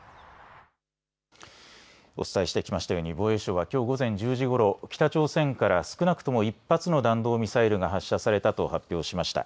お伝えしてきましたように防衛省はきょう午前１０時ごろ、北朝鮮から少なくとも１発の弾道ミサイルが発射されたと発表しました。